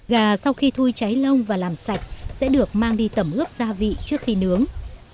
gà sau khi thui cháy lông và làm sạch sẽ được mang đi tẩm ướp gia vị trước khi nướng